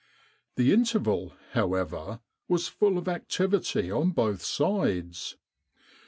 The interval, however, was full of activity on both sides.